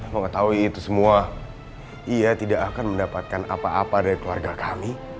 mengetahui itu semua ia tidak akan mendapatkan apa apa dari keluarga kami